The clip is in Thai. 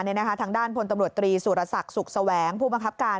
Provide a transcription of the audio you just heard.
ทางด้านพลตำรวจตรีสุรศักดิ์สุขแสวงผู้บังคับการ